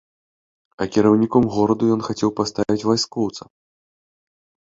А кіраўніком гораду ён хацеў паставіць вайскоўца.